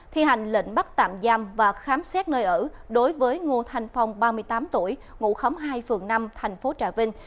thi hành lệnh bắt tạm giam và khám xét nơi ở đối với ngu thành phong ba mươi tám tuổi ngụ khấm hai phường năm thành phố trà vinh